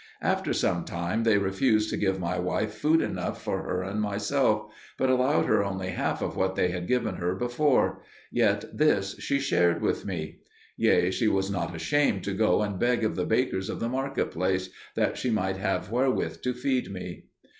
After some time they refused to give my wife food enough for her and myself, but allowed her only half of what they had given her before: yet this she shared with me. Yea, she was not ashamed to go and beg of the bakers in the market place, that she might have wherewith to feed me.